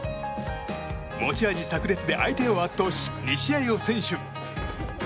持ち味炸裂で相手を圧倒し２試合を先取。